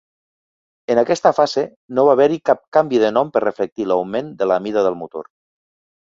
En aquesta fase no va haver-hi cap canvi de nom per reflectir l'augment de la mida del motor.